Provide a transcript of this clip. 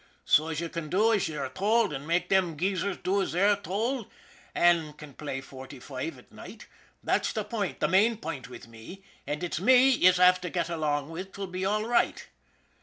So's ye can do as yez are told an* make them geesers do as they are told, an' can play forty foive at night that's the point, the main point wid me, an' it's me yez av to get along wid 'twill be all right.